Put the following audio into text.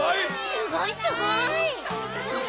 すごいすごい！